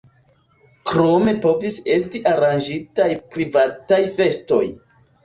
Krome povis esti aranĝitaj privataj festoj.